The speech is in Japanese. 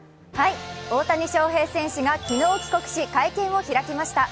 大谷翔平選手が昨日、帰国し、会見を開きました。